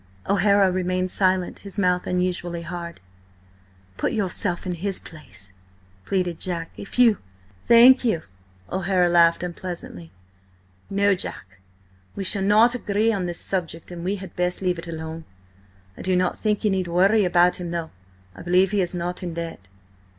O'Hara remained silent, his mouth unusually hard. "Put yourself in his place," pleaded Jack. "If you—" "Thank you!" O'Hara laughed unpleasantly. "No, Jack, we shall not agree on this subject, and we had best leave it alone. I do not think you need worry about him, though. I believe he is not in debt."